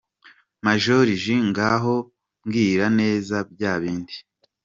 Mama: Joriji ngaho mbwira neza bya bindi!.